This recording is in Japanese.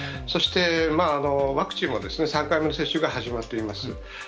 そしてワクチンも３回目の接種が始まっています。